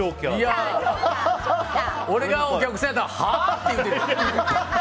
いや俺がお客さんやったらはあ？って言うてる。